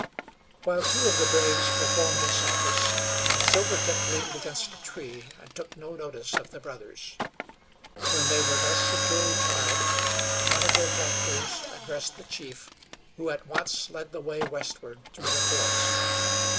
While two of the braves performed this office, Silvertip leaned against a tree and took no notice of the brothers. When they were thus securely tied one of their captors addressed the chief, who at once led the way westward through the forest.